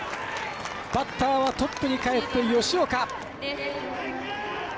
バッターはトップにかえって吉岡。